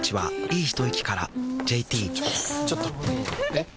えっ⁉